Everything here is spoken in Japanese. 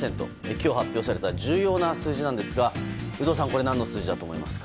今日発表された重要な数字なんですが有働さんこれ何の数字だと思いますか？